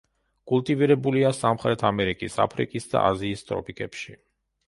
კულტივირებულია სამხრეთ ამერიკის, აფრიკისა და აზიის ტროპიკებში.